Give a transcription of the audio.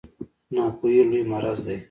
ناپوهي لوی مرض دی